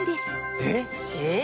えっ！？